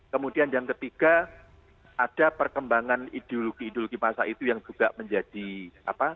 kemudian yang ketiga ada perkembangan ideologi ideologi masa itu yang juga menjadi apa